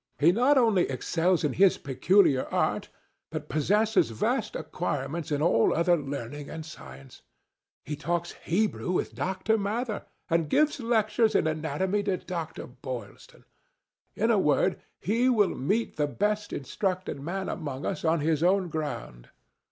"He not only excels in his peculiar art, but possesses vast acquirements in all other learning and science. He talks Hebrew with Dr. Mather and gives lectures in anatomy to Dr. Boylston. In a word, he will meet the best instructed man among us on his own ground.